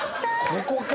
ここか。